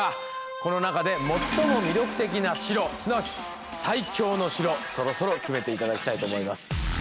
この中で最も魅力的な城すなわち最強の城そろそろ決めて頂きたいと思います。